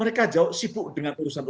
mereka jauh sibuk dengan urusan urusan itu